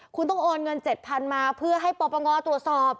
คุณต้องโอนเงิน๗๐๐๐มาเพื่อให้ปปงตรวจสอบ